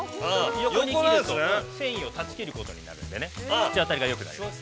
横に切ると繊維を断ち切ることになるんでね、口当たりがよくなります。